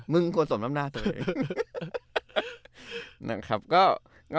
มึงควรสมลับหน้าตัวเอง